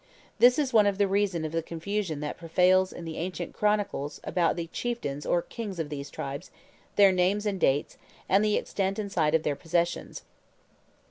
This is one of the reasons of the confusion that prevails in the ancient chronicles about the chieftains or kings of these tribes, their names and dates, and the extent and site of their possessions.